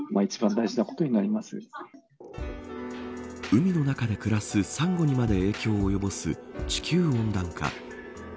海の中で暮らすサンゴにまで影響を及ぼす地球温暖化。